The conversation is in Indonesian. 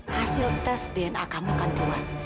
hasil tes dna kamu kan luar